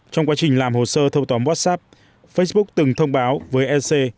trong quá trình làm hồ sơ thông tóm whatsapp facebook từng thông báo với ec